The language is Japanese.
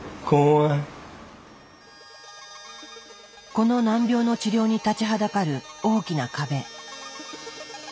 この難病の治療に立ちはだかる大きな壁。